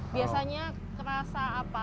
biasanya terasa apa